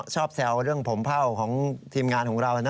แซวเรื่องผมเผ่าของทีมงานของเรานะ